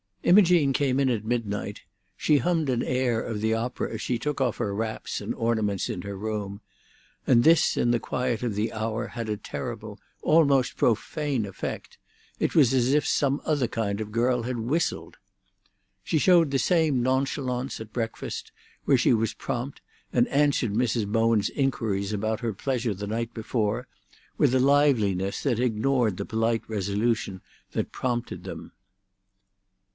Imogene came in at midnight; she hummed an air of the opera as she took off her wraps and ornaments in her room, and this in the quiet of the hour had a terrible, almost profane effect: it was as if some other kind of girl had whistled. She showed the same nonchalance at breakfast, where she was prompt, and answered Mrs. Bowen's inquiries about her pleasure the night before with a liveliness that ignored the polite resolution that prompted them.